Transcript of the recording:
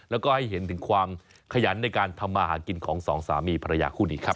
แล้วก็ให้เห็นถึงความขยันในการทำมาหากินของสองสามีภรรยาคู่นี้ครับ